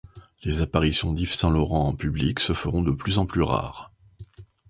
Les apparitions d'Yves Saint Laurent en public se feront de plus en plus rares.